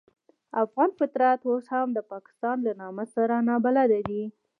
افغان فطرت اوس هم د پاکستان له نامه سره نابلده دی.